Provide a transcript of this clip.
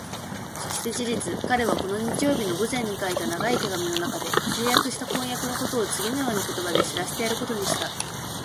そして事実、彼はこの日曜日の午前に書いた長い手紙のなかで、成立した婚約のことをつぎのような言葉で知らせてやることにした。